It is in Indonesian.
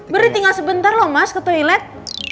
beri tinggal sebentar loh mas ke toilet